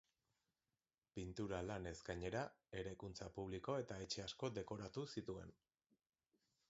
Pintura lanez gainera, eraikuntza publiko eta etxe asko dekoratu zituen.